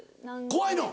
怖いの？